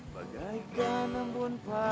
neng neng julia